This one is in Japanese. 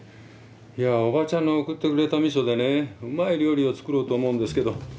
いや叔母ちゃんの送ってくれた味噌でねうまい料理を作ろうと思うんですけど。